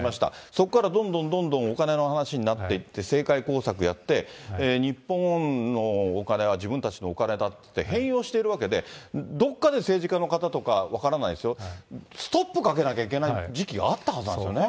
そこからどんどんどんどんお金の話になっていって、政界工作やって、日本のお金は自分たちのお金だって、変容しているわけで、どっかで政治家の方とか、分からないですよ、ストップかけなきゃいけない時期があったと思うんですよね。